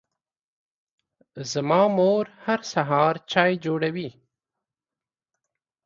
زما مور هر سهار چای جوړوي.